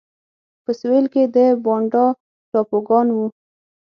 په سوېل کې د بانډا ټاپوګان وو.